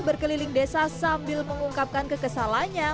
berkeliling desa sambil mengungkapkan kekesalannya